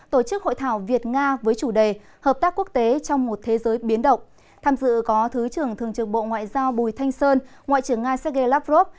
tham dự có thứ trưởng thường trưởng bộ ngoại giao bùi thanh sơn ngoại trưởng nga sergei lavrov